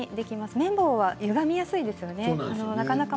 麺棒はゆがみやすいですよね。